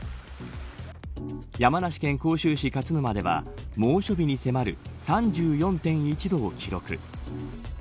山梨県甲州市勝沼では猛暑日に迫る３４．１度を記録。